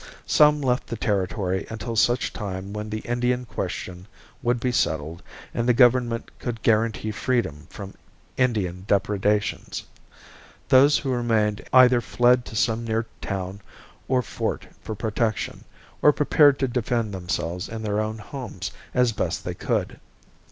Some left the Territory until such time when the Indian question would be settled and the Government could guarantee freedom from Indian depredations. Those who remained either fled to some near town or fort for protection, or prepared to defend themselves in their own homes as best they could.